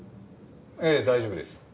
ええ大丈夫です。